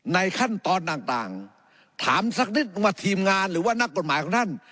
ในขั้นตอนต่างถามสักนิดนึงว่าทีมงานหรือว่านักกฎหมายของท่าน